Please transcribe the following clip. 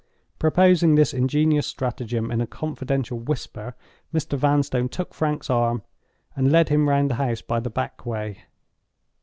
Proposing this ingenious stratagem in a confidential whisper, Mr. Vanstone took Frank's arm and led him round the house by the back way.